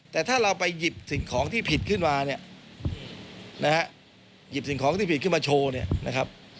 แต่ถ้าเราไปหยิบสิ่งของที่ผิดขึ้นมานี่หยิบสิ่งของที่ผิดขึ้นมาโชว์